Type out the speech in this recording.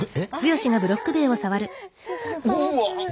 うわ。